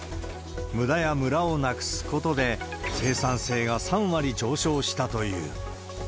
むだやむらをなくすことで、生産性が３割上昇したという。